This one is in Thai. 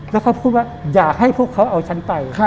แล้วเขาพูดว่าอยากให้พวกเขาเอาฉันไป